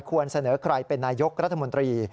เสนอใครเป็นนายกรัฐมนตรี